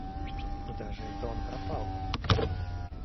Куда же это он пропал?